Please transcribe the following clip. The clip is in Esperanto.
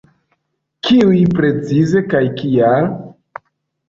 Kiuj precize kaj kial?